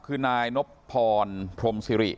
คือนายนบพรพรมสิริ